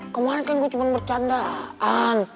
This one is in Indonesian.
kemarin kan gue cuma bercandaan